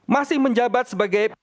masih menjabat sebagai pejabat bumn